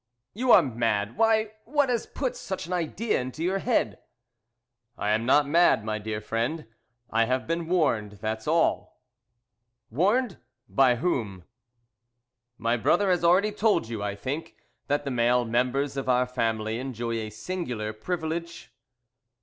"You are mad! Why, what has put such an idea into your head?" "I am not mad, my dear friend. I have been warned that's all." "Warned! By whom?" "My brother has already told you, I think, that the male members of our family enjoy a singular privilege?"